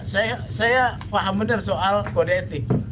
saya paham benar soal kode etik